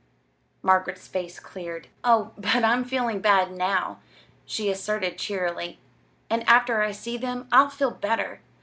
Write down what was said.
Margaret's face cleared. "Oh, but I'm feeling bad now," she asserted cheerily; "and after I see them I'll feel better.